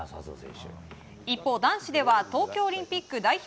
一方、男子では東京オリンピック代表